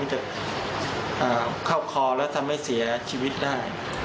จะเข้าคอแล้วทำให้เสียชีวิตได้